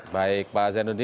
baik pak zainuddin